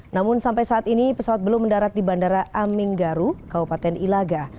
namun sampai saat ini pesawat belum mendarat di bandara aminggaru kabupaten ilaga